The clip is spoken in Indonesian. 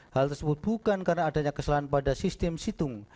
hal tersebut bukan karena adanya kesalahan pada sistem situng